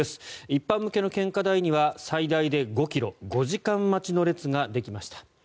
一般向けの献花台には最大で５ｋｍ５時間待ちの列ができました。